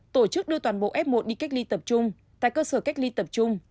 tổ chức đưa toàn bộ f một đi cách ly tập trung tại cơ sở cách ly tập trung